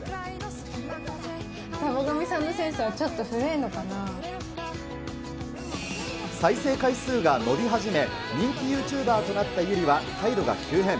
田母神さんのセンスはちょっ再生回数が伸び始め、人気ユーチューバーとなった優里は、態度が急変。